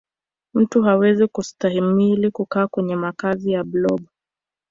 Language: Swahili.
mtu hawezi kustahimili kukaa kwenye makazi ya blob